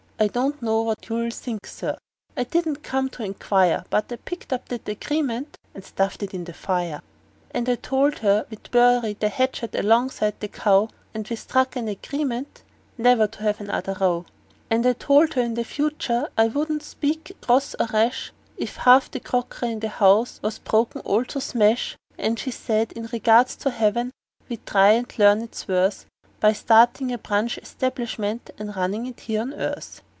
I don't know what you'll think, Sir I didn't come to inquire But I picked up that agreement and stuffed it in the fire; And I told her we'd bury the hatchet alongside of the cow; And we struck an agreement never to have another row. And I told her in the future I wouldn't speak cross or rash If half the crockery in the house was broken all to smash; And she said, in regards to heaven, we'd try and learn its worth By startin' a branch establishment and runnin' it here on earth.